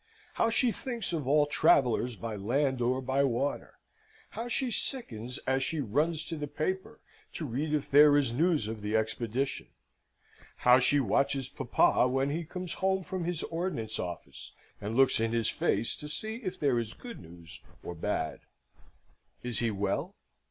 How she thinks of all travellers by land or by water! How she sickens as she runs to the paper to read if there is news of the Expedition! How she watches papa when he comes home from his Ordnance Office, and looks in his face to see if there is good news or bad! Is he well?